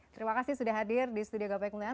terima kasih sudah hadir di studio gapai kemuliaan